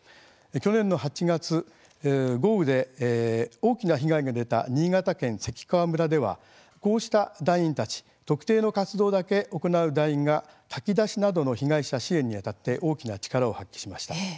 去年の８月豪雨で大きな被害が出た新潟県関川村ではこうした団員たち特定の活動だけ行う団員が炊き出しなどの被害者支援にあたって大きな力を発揮しました。